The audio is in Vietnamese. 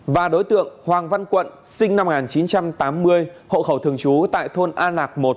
và đối tượng hoàng văn quận sinh năm một nghìn chín trăm tám mươi hộ khẩu thương chú tại thôn an lạc một